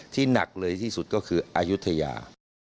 หนักเลยที่สุดก็คืออายุทยา